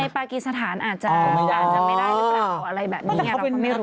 ปากีสถานอาจจะไม่ได้หรือเปล่าอะไรแบบนี้เราก็ไม่รู้